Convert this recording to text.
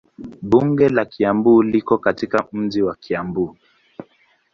Bunge la Kiambu liko katika mji wa Kiambu.